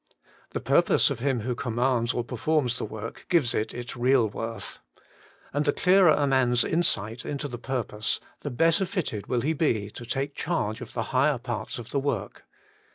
The purpose of him who commands or per forms the work gives it its real worth. And the clearer a man's insight into the purpose, the better fitted v/ill he be to take charge of the higher parts of the work.